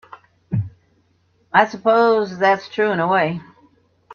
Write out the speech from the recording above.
I suppose that's true in a way.